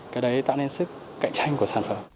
cái đấy tạo nên sức cạnh tranh của sản phẩm